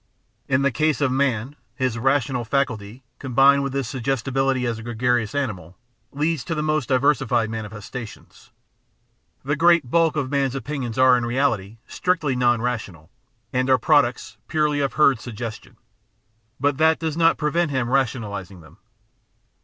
In the case of man his rational faculty, combined with his suggestibility as a gregarious animal, leads to the most diversified manifestations. The great bulk of man's opinions are in reality strictly non rational, and are products purely of herd suggestion; but that does not prevent him rationalising them.